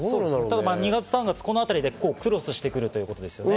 ２月・３月あたりでクロスしてくるということですね。